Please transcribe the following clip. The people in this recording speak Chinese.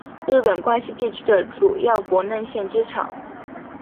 日本关西地区的主要国内线机场。